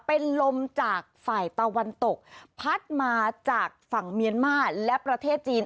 เป็นลมจากฝ่ายตะวันตกพัดมาจากฝั่งเมียนมาร์และประเทศจีน